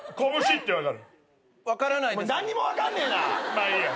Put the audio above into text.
まあいいや。